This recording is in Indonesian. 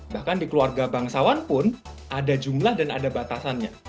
bahkan di keluarga bangsawan pun ada jumlah dan ada batasannya